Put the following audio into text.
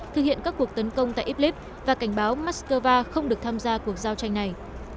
thực hiện các cuộc tấn công tại iblis và cảnh báo moscow không được tham gia cuộc giao tranh này